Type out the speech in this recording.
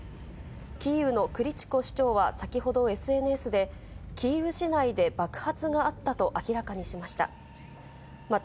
キーウのクリチコ市長は先ほどＳＮＳで、キーウ市内で爆発があったと明らかにしました。